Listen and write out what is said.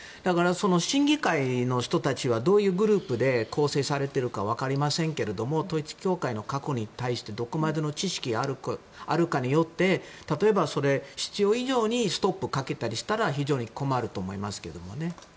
審議会の人たちはどういうグループで構成されているか分かりませんけれども統一教会の過去に対してどこまでの知識があるかによって例えば、必要以上にストップをかけたりしたら非常に困ると思いますけどね。